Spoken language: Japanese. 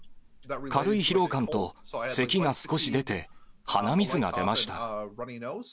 軽い疲労感と、せきが少し出て、鼻水が出ました。